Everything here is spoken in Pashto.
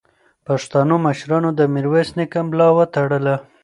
پښتنو مشرانو د میرویس نیکه ملا وتړله.